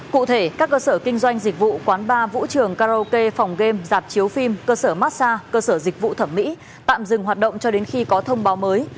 cụ thể các cơ sở kinh doanh dịch vụ quán bar vũ trường karaoke phòng game dạp chiếu phim cơ sở massage cơ sở dịch vụ thẩm mỹ tạm dừng hoạt động cho đến khi có thông báo mới